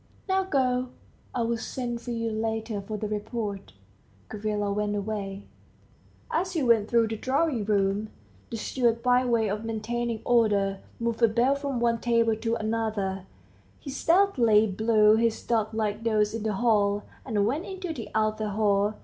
Now go. I will send for you later for the report." Gavrila went away. As he went through the drawing room, the steward, by way of maintaining order, moved a bell from one table to another; he stealthily blew his duck like nose in the hall, and went into the outer hall.